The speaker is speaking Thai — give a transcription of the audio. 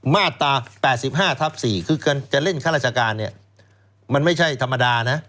มาตรา๘๕ทับ๔คือจะเล่นข้าราชการมันไม่ใช่ธรรมดา